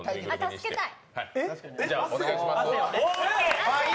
助けたい。